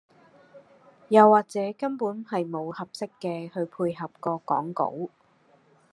又或者根本係無合適嘅去配合個講稿